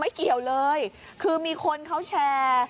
เกี่ยวเลยคือมีคนเขาแชร์